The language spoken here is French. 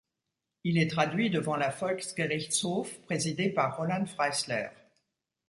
Il est traduit devant la Volksgerichtshof présidée par Roland Freisler.